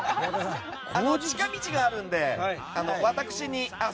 近道があるので、私に。